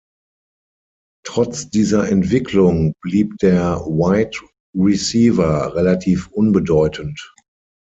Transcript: Trotz dieser Entwicklung blieb der Wide Receiver relativ unbedeutend.